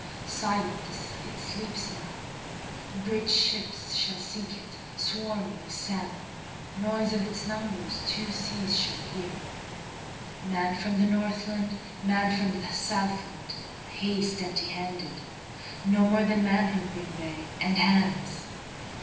Silent it sleeps now; Great ships shall seek it, Swarming as salmon; Noise of its numbersTwo seas shall hear. Man from the Northland, Man from the Southland, Haste empty handed; No more than manhoodBring they, and hands.